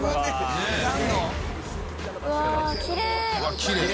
うわっきれい！